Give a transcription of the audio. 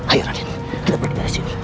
ayo radin kita pergi dari sini